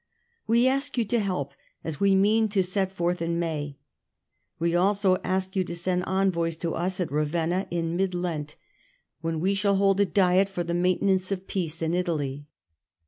We ask you for help, as we mean to set forth in May. We also ask you to send envoys to us at Ravenna in Mid Lent, when 84 STUPOR MUNDI we shall hold a Diet for the maintenance of peace in Italy."